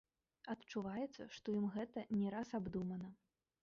Адчуваецца, што ім гэта не раз абдумана.